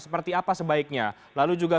seperti apa sebaiknya lalu juga